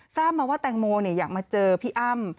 ทราบมาว่าแตงโมอยากมาเจอพี่อ้ำ